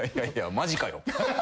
マジかよ。